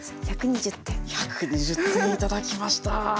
１２０点頂きました！